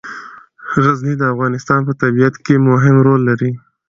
غزني د افغانستان په طبیعت کې مهم رول لري.